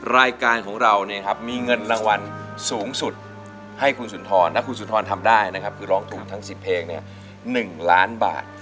รายการของเราเนี่ยครับมีเงินรางวัลสูงสุดให้คุณสุนทรและคุณสุนทรทำได้นะครับคือร้องถูกทั้ง๑๐เพลง๑ล้านบาท